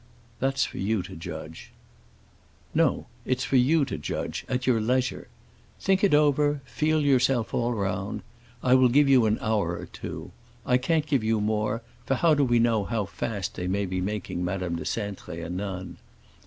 "That's for you to judge." "No, it's for you to judge, at your leisure. Think it over, feel yourself all round. I will give you an hour or two. I can't give you more, for how do we know how fast they may be making Madame de Cintré a nun?